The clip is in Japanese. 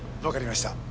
わかりました。